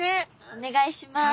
お願いします。